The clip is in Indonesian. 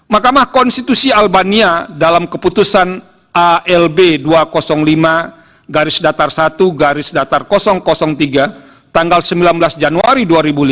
makamah konstitusi albania dalam keputusan alb dua ratus lima satu tiga tanggal sembilan belas januari dua ribu lima